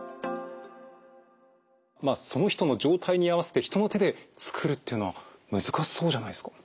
その人の状態に合わせて人の手で作るっていうのは難しそうじゃないですか？